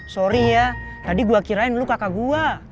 sorry ya tadi gua kirain lu kakak gua